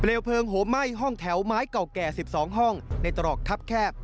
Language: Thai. เปลลเผลิงโหไหม้ห้องแถวไม้เงาแก่สิบสองห้องในตรอกทับแคบ